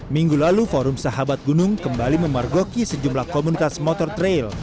minggu lalu forum sahabat gunung kembali memargoki sejumlah komunitas motor trail